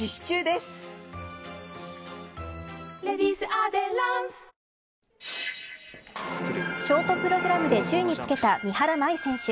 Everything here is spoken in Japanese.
バイデン大統領はショートプログラムで首位につけた三原舞依選手。